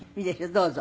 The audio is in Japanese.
どうぞ。